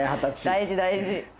大事大事。